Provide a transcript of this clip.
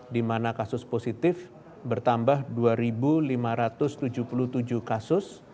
di mana kasus positif bertambah dua lima ratus tujuh puluh tujuh kasus